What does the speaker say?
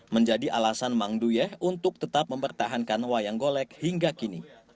menjadi alasan mang duyeh untuk tetap mempertahankan wayang golek hingga kini